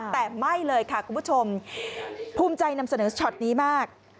แต่ไม่เลยค่ะคุณผู้ชมภูมิใจนำเสนอช็อตนี้มาก